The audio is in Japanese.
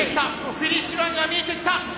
フィニッシュラインが見えてきた。